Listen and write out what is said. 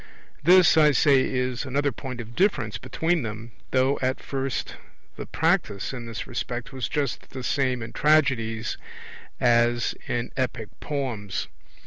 This, I say, is another point of difference between them, though at first the practice in this respect was just the same in tragedies as in epic poems.